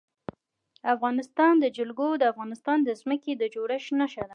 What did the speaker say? د افغانستان جلکو د افغانستان د ځمکې د جوړښت نښه ده.